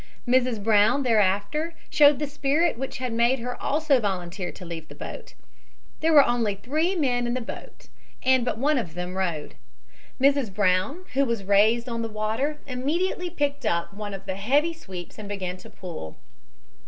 Mrs. Brown thereafter showed the spirit which had made her also volunteer to leave the boat. There were only three men in the boat and but one of them rowed. Mrs. Brown, who was raised on the water, immediately picked up one of the heavy sweeps and began to pull.